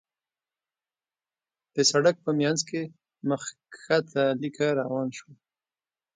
د سړک په مينځ کې مخ کښته ليکه روان شول.